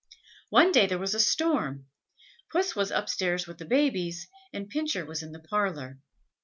One day there was a storm; Puss was upstairs with the babies, and Pincher was in the parlour.